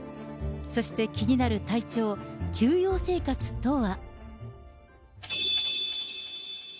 そして、気になる体調、休養生活とは。